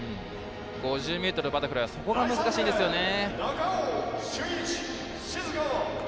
５０ｍバタフライはそこが難しいですよね。